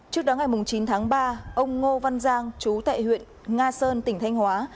trước đó ngày chín tháng ba ông ngô văn giang chú tại huyện nga sơn tỉnh thanh hóa